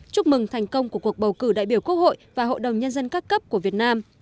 chúc mừng thành công của cuộc bầu cử đại biểu quốc hội và hội đồng nhân dân các cấp của việt nam